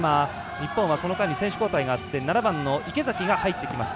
今、日本はこの間に選手交代があって７番の池崎が入ってきました。